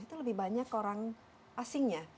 itu lebih banyak orang asingnya